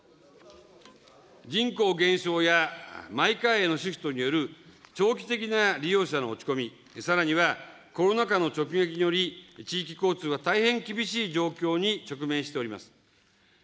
人口減少やマイカーへのシフトによる、長期的な利用者の落ち込み、さらにはコロナ禍の直撃により、地域交通は大変厳しい状況に直面しております。